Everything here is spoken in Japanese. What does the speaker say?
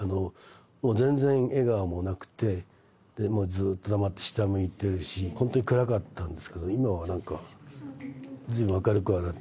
もう全然笑顔もなくて、ずっと黙って下向いてるし、本当に暗かったんですけど、今はなんか、ずいぶん明るくはなって。